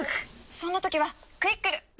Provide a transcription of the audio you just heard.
そんなときは「クイックル」